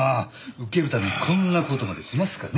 ウケるためにこんな事までしますかね！？